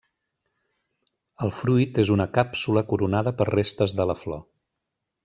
El fruit és una càpsula coronada per restes de la flor.